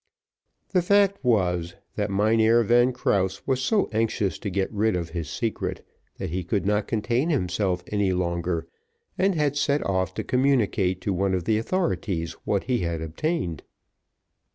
The fact was, that Mynheer Van Krause was so anxious to get rid of his secret, that he could not contain himself any longer, and had set off to communicate to one of the authorities what he had obtained.